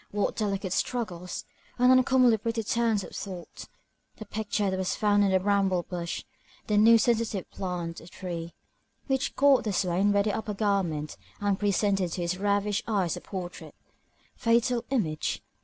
What delicate struggles! and uncommonly pretty turns of thought! The picture that was found on a bramble bush, the new sensitive plant, or tree, which caught the swain by the upper garment, and presented to his ravished eyes a portrait. Fatal image!